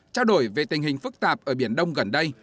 trao đổi về tình hình phức tạp ở biển đông gần đây